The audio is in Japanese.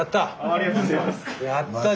ありがとうございます。